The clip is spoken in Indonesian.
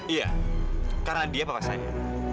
iya karena dia pak pasai